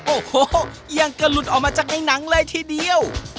โอ้โหยังกระหลุดออกมาจากในหนังเลยทีเดียว